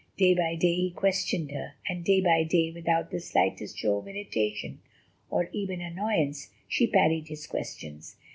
Day by day he questioned her, and day by day, without the slightest show of irritation, or even annoyance, she parried his questions.